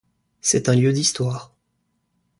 C'est un lieu d'histoire.